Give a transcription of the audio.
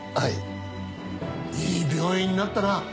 いい病院になったな。